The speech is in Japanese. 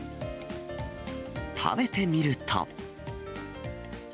食べてみると。